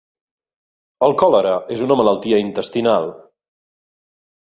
El còlera és una malaltia intestinal.